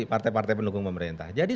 partai partai pendukung pemerintah jadi